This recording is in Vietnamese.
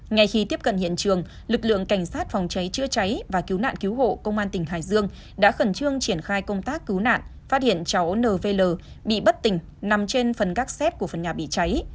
ngay khi tiếp cận hiện trường lực lượng cảnh sát phòng cháy chữa cháy và cứu nạn cứu hộ công an tỉnh hải dương đã khẩn trương triển khai công tác cứu nạn phát hiện cháu nv bị bất tỉnh nằm trên phần gác xét của phần nhà bị cháy